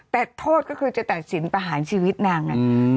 แต่โทษก็คือจะตัดสินประหารชีวิตนางไง